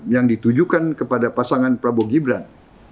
yang ditujukan kepada pasangan prabowo gibran